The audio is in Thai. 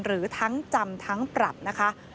หรือทั้งจำทั้งปรับนะคะ